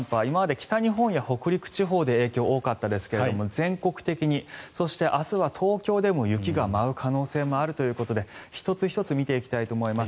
北日本や北陸地方で影響大きかったですが全国的に、そして明日は東京でも雪が舞う可能性があるということで１つ１つ見ていきたいと思います。